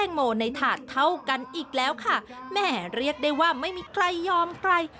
แหมเรียกได้ว่าไม่มีใครยอมใคร